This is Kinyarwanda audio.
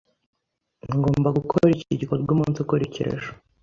Ngomba gukora iki gikorwa umunsi ukurikira ejo.